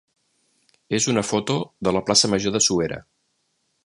és una foto de la plaça major de Suera.